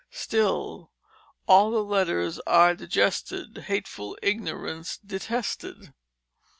Still "All the letters are digested, Hateful ignorance detested."